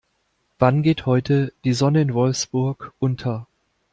Wann geht heute die Sonne in Wolfsburg unter?